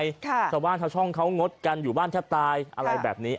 ชาวบ้านชาวช่องเขางดกันอยู่บ้านแทบตายอะไรแบบนี้